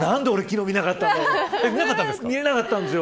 俺見れなかったんですよ。